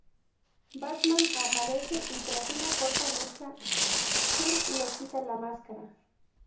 Batman aparece y, tras una corta lucha, Chill le quita la máscara.